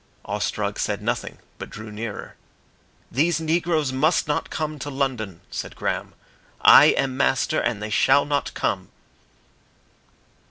Ostrog said nothing, but drew nearer. "These negroes must not come to London," said Graham. "I am Master and they shall not come."